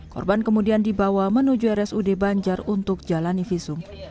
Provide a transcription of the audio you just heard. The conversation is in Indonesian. korban kemudian dibawa menuju rsud banjar untuk jalan ifisum